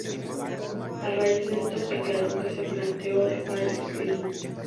A raíz de esto declaró que se planteó dejar el ciclismo.